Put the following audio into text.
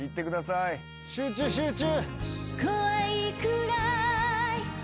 集中集中！